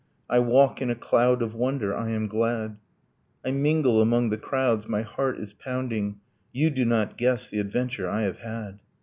I walk in a cloud of wonder; I am glad. I mingle among the crowds; my heart is pounding; You do not guess the adventure I have had!